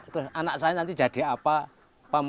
terus anak saya nanti jadi apa